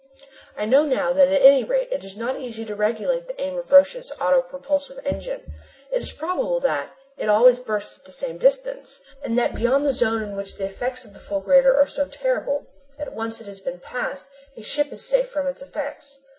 I now know that at any rate it is not easy to regulate the aim of Roch's auto propulsive engine. It is probable that it always bursts at the same distance, and that beyond the zone in which the effects of the fulgurator are so terrible, and once it has been passed, a ship is safe from its effects.